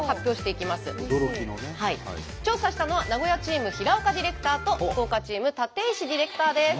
調査したのは名古屋チーム平岡ディレクターと福岡チーム立石ディレクターです。